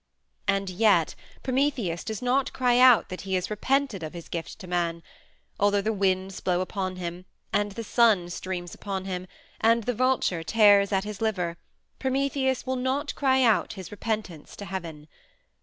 And yet Prometheus does not cry out that he has repented of his gift to man; although the winds blow upon him, and the sun streams upon him, and the vulture tears at his liver, Prometheus will not cry out his repentance to heaven.